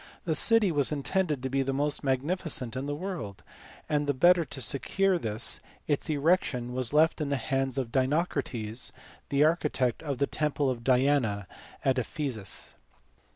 The city was intended to be the most magnificent in the world, and, the better to secure this, its erection was left in the hands of Dinocrates, the architect of the temple of Diana at Ephesus.